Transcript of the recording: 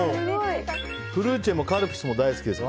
フルーチェもカルピスも大好きです。